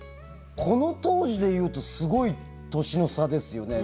この当時で言うとすごい年の差ですよね。